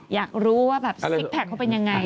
อยากรู้ว่าซิกแพคเขาเป็นอย่างไร